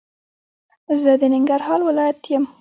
زه د ننګرهار ولايت يم